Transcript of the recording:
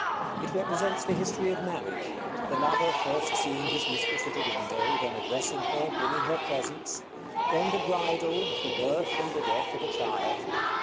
It represents the history of marriage: the lover first seeing his mistress at a window, then addressing her, bringing her presents; then the bridal, the birth and the death of a child.